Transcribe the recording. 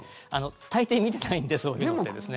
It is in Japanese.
大抵、見てないんでそういうのってですね。